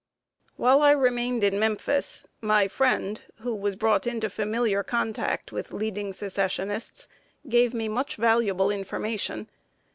While I remained in Memphis, my friend, who was brought into familiar contact with leading Secessionists, gave me much valuable information.